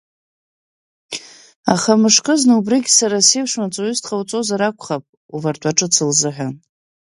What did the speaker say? Аха мышкызны убригь сара сеиԥш маҵуҩыс дҟоуҵозар акәхап, увартәа ҿыц лзыҳәан…